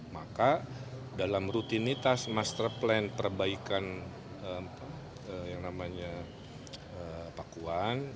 maka dalam rutinitas master plan perbaikan pakuan